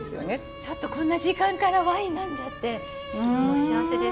ちょっとこんな時間からワイン呑んじゃってもう幸せです。